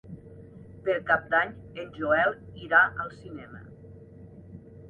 Per Cap d'Any en Joel irà al cinema.